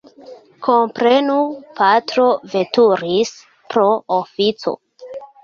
Komprenu, patro veturis pro oﬁco.